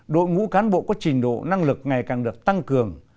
đội ngũ cán bộ có trình độ năng lực ngày càng được tăng cường